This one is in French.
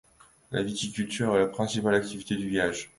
La viticulture est la principale activité du village.